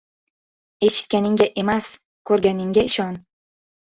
• Eshitganingga emas, ko‘rganingga ishon.